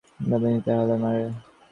দামি জিনিস হারালে মারে।